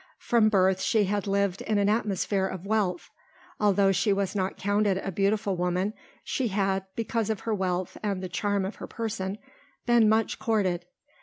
From birth she had lived in an atmosphere of wealth. Although she was not counted a beautiful woman, she had, because of her wealth and the charm of her person, been much courted.